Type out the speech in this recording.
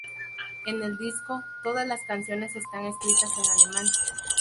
En el disco, todas las canciones están escritas en alemán.